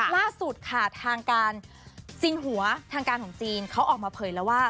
ล่าสุดค่ะทางการซิงหัวทางการของจีนเขาออกมาเผยแล้วว่า